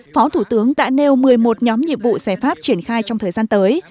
phó thủ tướng đã nêu một mươi một nhóm nhiệm vụ giải pháp triển khai trong thời gian tới